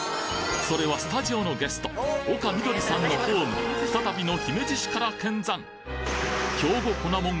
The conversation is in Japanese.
それはスタジオのゲスト丘みどりさんのホーム再びの姫路市から見参！